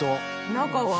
中は？